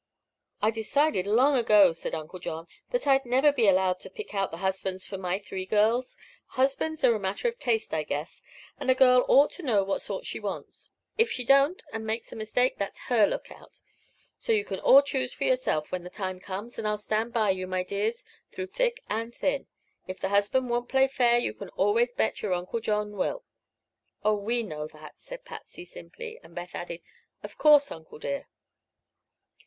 "I decided long ago," said Uncle John, "that I'd never be allowed to pick out the husbands for my three girls. Husbands are a matter of taste, I guess, and a girl ought to know what sort she wants. If she don't, and makes a mistake, that's her look out. So you can all choose for yourselves, when the time comes, and I'll stand by you, my dears, through thick and thin. If the husband won't play fair, you can always bet your Uncle John will." "Oh, we know, that," said Patsy, simply; and Beth added: "Of course, Uncle, dear."